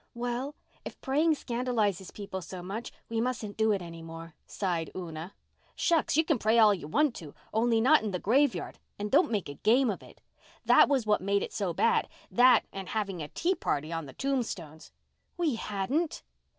"Well, if praying scandalizes people so much we mustn't do it any more," sighed Una. "Shucks, you can pray all you want to, only not in the graveyard—and don't make a game of it. That was what made it so bad—that, and having a tea party on the tombstones." "We hadn't."